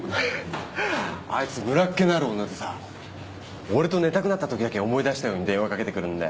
あいつむらっ気のある女でさ俺と寝たくなった時だけ思い出したように電話かけてくるんだよ。